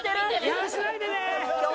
違反しないでね！